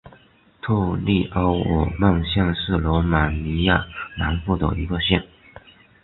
特列奥尔曼县是罗马尼亚南部的一个县。